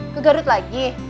ke garut lagi